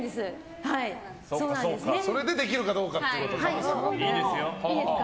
それでできるかどうかということか。